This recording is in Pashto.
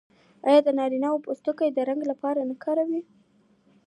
آیا د انارو پوستکي د رنګ لپاره نه کاروي؟